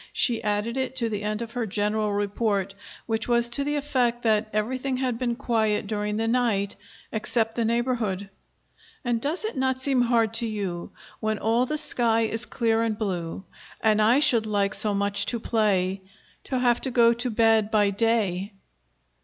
She added it to the end of her general report, which was to the effect that everything had been quiet during the night except the neighborhood. "And does it not seem hard to you, When all the sky is clear and blue, And I should like so much to play, To have to go to bed by day?"